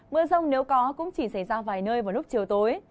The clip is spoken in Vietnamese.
mưa rông nếu có cũng chỉ xảy ra vài nơi vào lúc chiều tối